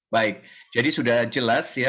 baik jadi sudah jelas ya